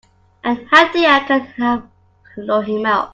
And how do you think I can help lure him out?